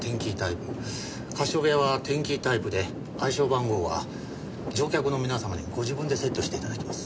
カシオペアはテンキータイプで暗証番号は乗客の皆様にご自分でセットして頂きます。